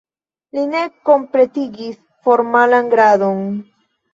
Li ne kompletigis formalan gradon.